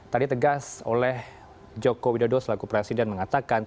tadi tegas oleh joko widodo selaku presiden mengatakan